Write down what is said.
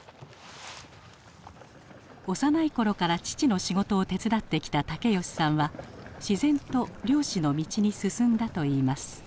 幼い頃から父の仕事を手伝ってきた則義さんは自然と漁師の道に進んだといいます。